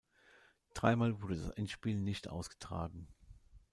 Dreimal wurde das Endspiel nicht ausgetragen.